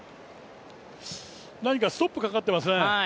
何かストップかかっていますね。